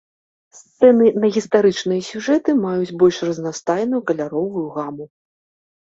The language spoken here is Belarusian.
Сцэны на гістарычныя сюжэты маюць больш разнастайную каляровую гаму.